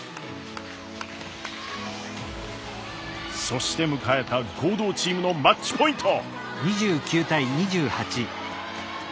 そして迎えた合同チームのマッチポイント。